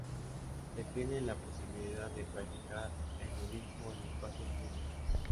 Defienden la posibilidad de practicar el nudismo en espacios públicos.